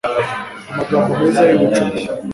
amagambo meza yubucuti